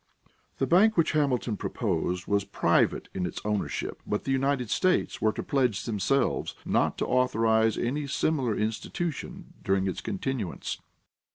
The bank which Hamilton proposed was private in its ownership, but the United States were to pledge themselves not to authorize any similar institution during its continuance.